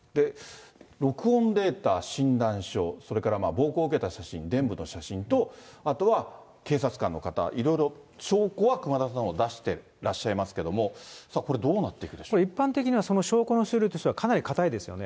録音データ、診断書、それから暴行を受けた写真、でん部の写真と、あとは警察官の方、いろいろ証拠は熊田さんは出してらっしゃいますけども、さあこれ、これ、一般的には、証拠の種類としてはかなり固いですよね。